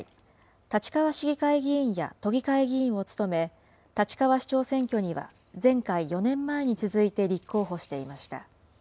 立川市議会議員や都議会議員を務め、立川市長選挙には、前回・４年前に続いて立候補していました。